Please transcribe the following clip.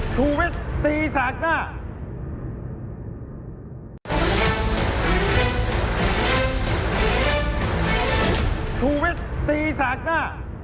ทุวิทย์ตีสากหน้า